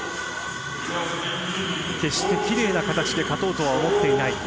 決してきれいな形で勝とうとは思っていない。